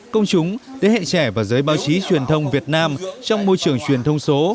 công chúng thế hệ trẻ và giới báo chí truyền thông việt nam trong môi trường truyền thông số